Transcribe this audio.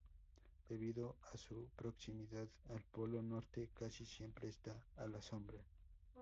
Debido a su proximidad al polo norte, casi siempre está a la sombra.